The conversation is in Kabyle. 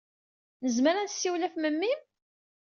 Nezmer ad nessiwel ɣef memmi-m?